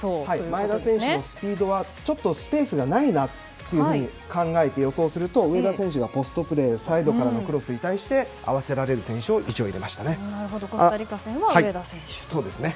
前田選手のスピードはちょっとスペースがないなと考えて予想すると上田選手がポストプレーサイドからのクロスに合わせてコスタリカ戦は上田選手と。